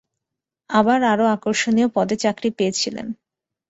আবার আরও আকর্ষণীয় পদে চাকরি পেয়েছিলেন।